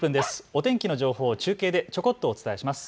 お天気の情報を中継でちょこっとお伝えします。